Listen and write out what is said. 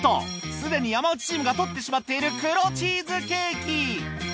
すでに山内チームが取ってしまっている黒チーズケーキ。